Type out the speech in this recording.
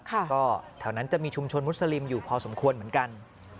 ก็แถวนั้นจะมีชุมชนมุสลิมอยู่พอสมควรเหมือนกัน